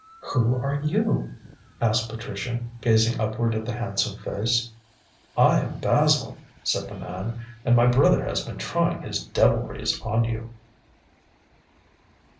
"Who are you?" asked Patricia, gazing upward at the handsome face. "I am Basil," said the man, "and my brother has been trying his devilries on you."